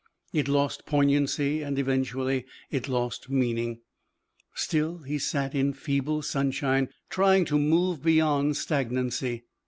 It lost poignancy and eventually it lost meaning. Still he sat in feeble sunshine trying to move beyond stagnancy.